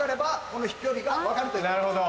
なるほど。